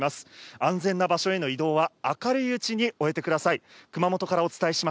安全な場所への移動は明るいうちに終えてください。